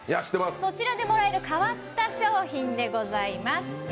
そちらでもらえる変わった商品でございます。